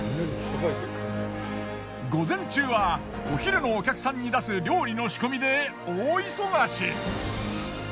午前中はお昼のお客さんに出す料理の仕込みで大忙し。